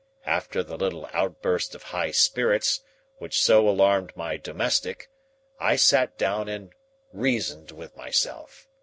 After the little outburst of high spirits which so alarmed my domestic I sat down and reasoned with myself.